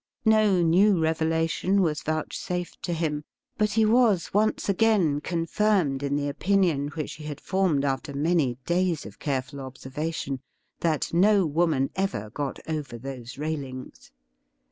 No new revelation was vouchsafed to him, but he was once again confirmed in the opinion which he had formed after many days of careful observation — that no woman ever got over those railings.